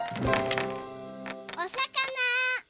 おさかな。